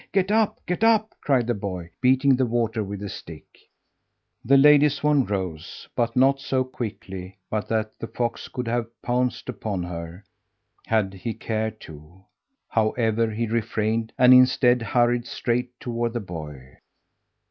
Get up, get up!" cried the boy, beating the water with his stick. The lady swan rose, but not so quickly but that the fox could have pounced upon her had he cared to. However, he refrained and instead hurried straight toward the boy.